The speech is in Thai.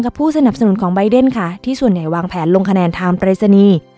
ผู้สนับสนุนของใบเดนค่ะที่ส่วนใหญ่วางแผนลงคะแนนทางปรายศนีย์